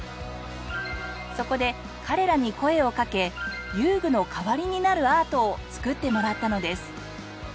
そこで彼らに声をかけ遊具の代わりになるアートを作ってもらったのです。